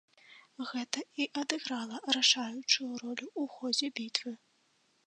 Гэта і адыграла рашаючую ролю ў ходзе бітвы.